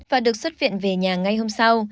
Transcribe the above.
và được xuất viện về nhà ngay hôm sau